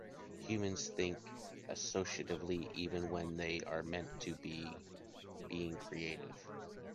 Humans think associatively, even when they are meant to be being creative.